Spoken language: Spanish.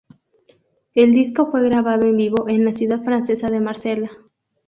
El disco fue grabado en vivo en la ciudad francesa de Marsella.